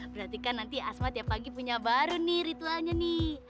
berarti kan nanti asma tiap pagi punya baru nih ritualnya nih